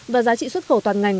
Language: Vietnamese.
và giá trị xuất khẩu toàn ngành